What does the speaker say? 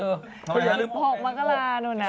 เธออยากลืมอัน๖บัตรกราหนูน่ะหินห์